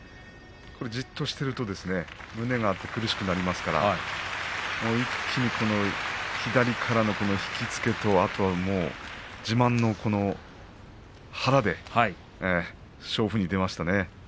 じっとしていると胸が合って苦しくなりますから一気に左からの引き付けと自慢の腹で勝負に出ましたね。